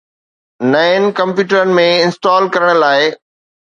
نئين ڪمپيوٽرن ۾ انسٽال ڪرڻ لاء